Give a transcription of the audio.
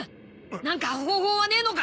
何か方法はねえのか？